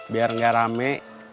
biar gak rame